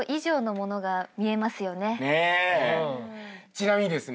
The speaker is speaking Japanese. ちなみにですね